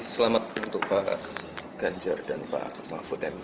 selamat untuk pak ganjar dan pak mahfud md